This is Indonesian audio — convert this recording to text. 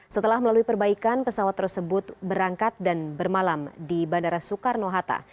setelah melalui perbaikan pesawat tersebut berangkat dan bermalam di bandara soekarno hatta